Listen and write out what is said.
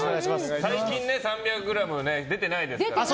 最近３００ｇが出てないですから。